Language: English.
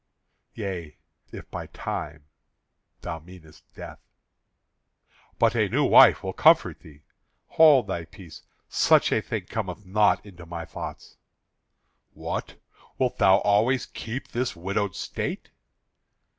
"Yea, if by time thou meanest death." "But a new wife will comfort thee." "Hold thy peace; such a thing cometh not into my thoughts." "What? wilt thou always keep this widowed state?"